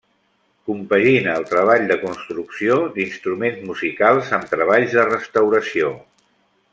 Compagina el treball de construcció d’instruments musicals amb treballs de restauració.